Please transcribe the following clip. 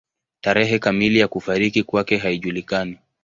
Tarehe kamili ya kufariki kwake haijulikani.